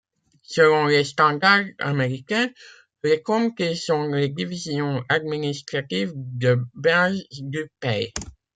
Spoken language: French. Selon les standards américains, les comtés sont les divisions administratives de base du pays.